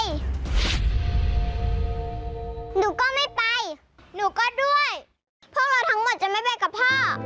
หนูก็ไม่ไปหนูก็ด้วยพวกเราทั้งหมดจะไม่ไปกับพ่อ